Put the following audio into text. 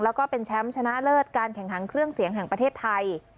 แล้วก็เป็นแชมป์ชนะเลิศการแข่งขันเครื่องเสียงแห่งประเทศไทย